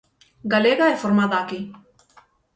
Galega e formada aquí.